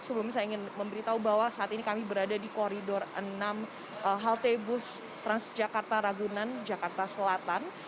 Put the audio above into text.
sebelumnya saya ingin memberitahu bahwa saat ini kami berada di koridor enam halte bus transjakarta ragunan jakarta selatan